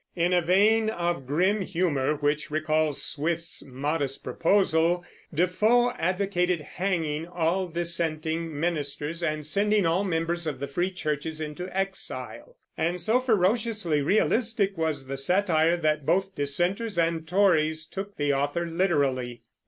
In a vein of grim humor which recalls Swift's "Modest Proposal," Defoe advocated hanging all dissenting ministers, and sending all members of the free churches into exile; and so ferociously realistic was the satire that both Dissenters and Tories took the author literally.